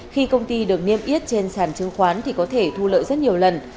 khi công ty được niêm yết trên sản chứng khoán thì có thể thu lợi rất nhiều lần